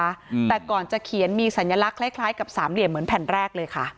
อืมแต่ก่อนจะเขียนมีสัญลักษณ์คล้ายคล้ายกับสามเหลี่ยมเหมือนแผ่นแรกเลยค่ะ